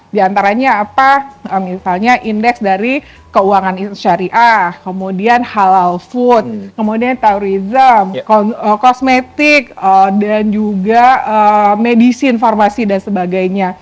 di antaranya apa misalnya indeks dari keuangan syariah kemudian halal food kemudian tourism kosmetik dan juga medis informasi dan sebagainya